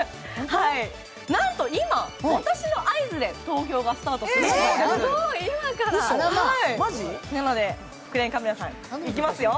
なんと今、私の合図で投票がスタートします。